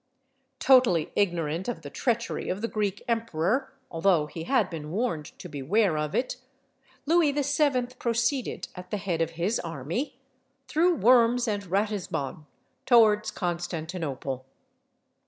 Totally ignorant of the treachery of the Greek emperor, although he had been warned to beware of it, Louis VII. proceeded, at the head of his army, through Worms and Ratisbon, towards Constantinople.